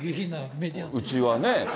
うちはね。